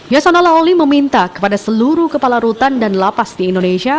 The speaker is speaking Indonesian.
yasona lawli meminta kepada seluruh kepala rutan dan lapas di indonesia